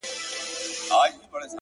o ته زموږ زړونه را سپين غوندي کړه ـ